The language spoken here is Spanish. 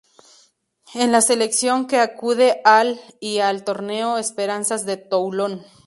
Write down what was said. Es la selección que acude al y al Torneo Esperanzas de Toulon.